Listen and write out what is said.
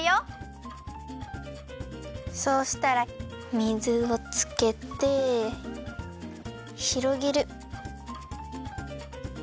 そうしたら水をつけてひろげる。